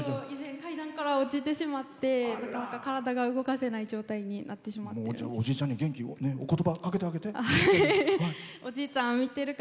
以前、階段から落ちてしまって体が動かせない状態になってしまって。